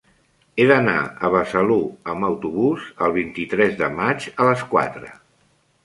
He d'anar a Besalú amb autobús el vint-i-tres de maig a les quatre.